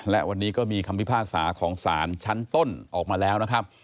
และวันนี้ก็มีคำพิพากษาของศาลชั้นต้นออกมาแล้วนะครับ